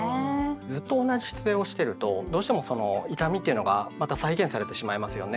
ずっと同じ姿勢をしてるとどうしてもその痛みっていうのがまた再現されてしまいますよね。